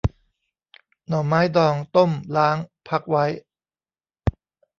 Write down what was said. หน่อไม้ดองต้มล้างพักไว้